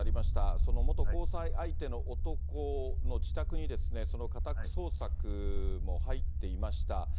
その元交際相手の男の自宅に家宅捜索も入っていました。